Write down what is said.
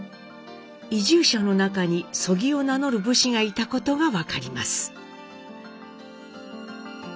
移住者の中に曽木を名乗る武士がいたことが分かります。